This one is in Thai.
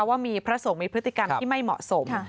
ว่ามีพระสงฆ์มีพฤติกรรมที่ไม่เหมาะสม